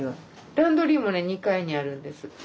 ランドリーも２階にあるんです。